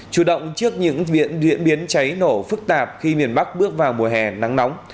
chủ động trước những diễn biến cháy nổ phức tạp khi miền bắc bước vào mùa hè nắng nóng